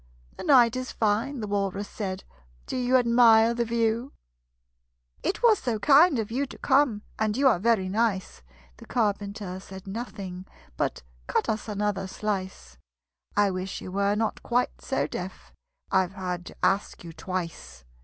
"The night is fine," the Walrus said. "Do you admire the view? "It was so kind of you to come, And you are very nice!" The Carpenter said nothing but "Cut us another slice: I wish you were not quite so deaf I've had to ask you twice!"